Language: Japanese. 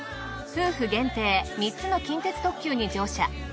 夫婦限定３つの近鉄特急に乗車。